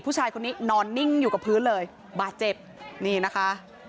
ผู้ชายคนนี้นอนนิ่งอยู่กับพื้นเลยบาดเจ็บนี่นะคะ